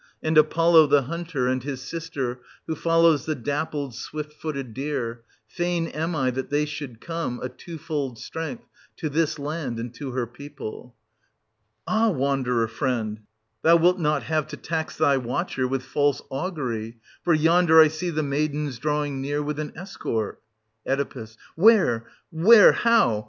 And Apollo, the hunter, and his sister, who follows the dappled, swift footed deer — fain am I that they should come, a twofold strength, to this land and to her people. Ah, wanderer friend, thou wilt not have to tax thy watcher with false augury, — for yonder I see the maidens drawing near with an escort. Oe. Where — where ? How